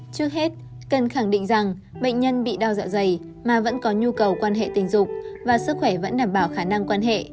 trước hết cần khẳng định rằng bệnh nhân bị đau dạ dày mà vẫn có nhu cầu quan hệ tình dục và sức khỏe vẫn đảm bảo khả năng quan hệ